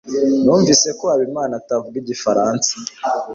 Numvise ko Habimana atavuga Igifaransa.